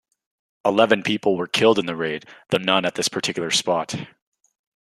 Eleven people were killed in the raid, though none at this particular spot.